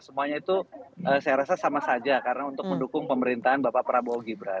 semuanya itu saya rasa sama saja karena untuk mendukung pemerintahan bapak prabowo gibran